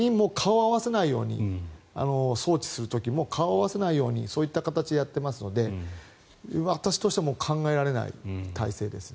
４人も送致をする時顔を合わせないようにそういった形でやっていますので私としては考えられない態勢ですね。